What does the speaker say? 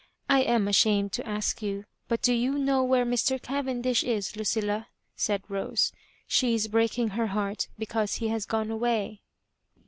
'* I am ashamed to ask you» but do you know where Mr. Cavendish is, Lucilla?" said ^ose. '* She is breaking her heart because he has gone away."